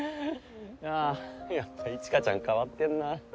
あやっぱ一華ちゃん変わってんなぁ。